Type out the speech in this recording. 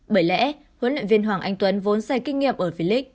bởi lẽ huấn luyện viên hoàng anh tuấn vốn xây kinh nghiệm ở philip